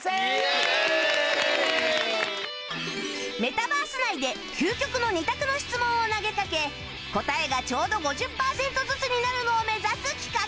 メタバース内で究極の２択の質問を投げかけ答えがちょうど５０パーセントずつになるのを目指す企画